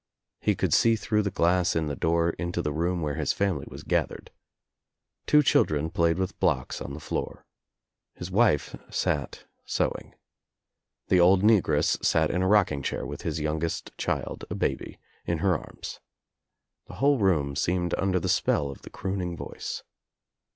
He could see through the glass In the door into the room where his family was gathered. Two children played with blocks on the floor. His wife sat sewing. The old negress sat in a rocking chair with his youngest child, a baby, in her arms. The whole room seemed under the spell of the crooning voice.